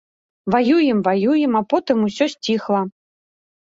Ваюем-ваюем, а потым усё сціхла.